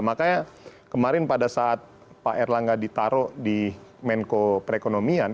makanya kemarin pada saat pak erlangga ditaruh di menko perekonomian